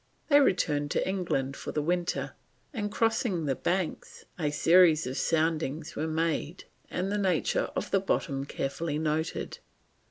They returned to England for the winter, and crossing the Banks, a series of soundings were made and the nature of the bottom carefully noted.